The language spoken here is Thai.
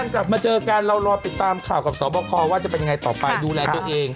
วันจันทร์มาเจอกันเรารอติดตามข่าวกับศรบที่ว่าจะเป็นไงต่อไปดูแลเยอะเอง